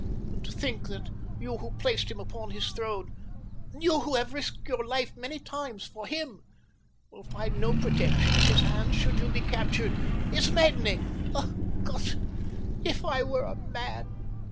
And to think that you who placed him upon his throne, you who have risked your life many times for him, will find no protection at his hands should you be captured is maddening. Ach, Gott, if I were a man!"